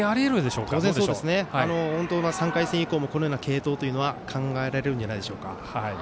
３回戦以降もこのような継投は考えられるんじゃないでしょうか。